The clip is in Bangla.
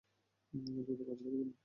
দ্রুত কাজে লেগে পড়ো।